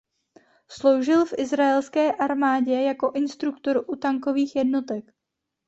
Sloužil v izraelské armádě jako instruktor u tankových jednotek.